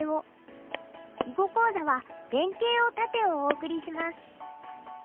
囲碁講座は「連携を断て！」をお送りします。